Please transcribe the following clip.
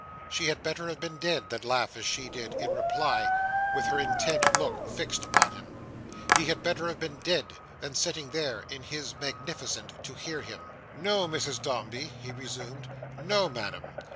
She had better have been dead than laugh as she did, in reply, with her intent look fixed upon him. He had better have been dead, than sitting there, in his magnificence, to hear her. "No, Mrs Dombey," he resumed. "No, Madam.